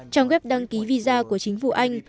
trang web đăng ký visa của chính phủ anh